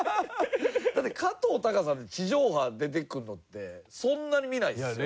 だって加藤鷹さん地上波出てくるのってそんなに見ないですよ